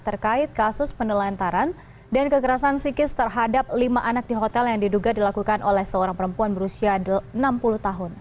terkait kasus penelantaran dan kekerasan psikis terhadap lima anak di hotel yang diduga dilakukan oleh seorang perempuan berusia enam puluh tahun